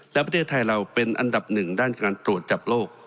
และประเทศไทยเราเป็นอันดับหนึ่งด้านการตรวจจับโรค